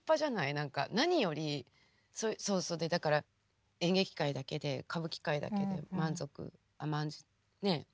何か何よりそうそうだから演劇界だけで歌舞伎界だけで満足甘んじねえ？